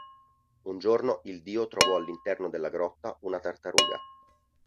Un giorno il Dio trovò all'interno della grotta una tartaruga.